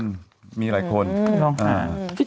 ทำรวจสวย